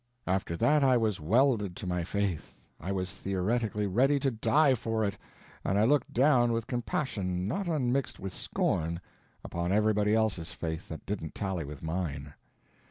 After that I was welded to my faith, I was theoretically ready to die for it, and I looked down with compassion not unmixed with scorn upon everybody else's faith that didn't tally with mine.